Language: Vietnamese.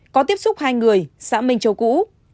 có tiếp xúc hai người xã minh châu cũ